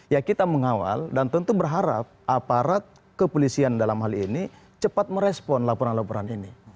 ya kita mengawal dan tentu berharap aparat kepolisian dalam hal ini cepat merespon laporan laporan ini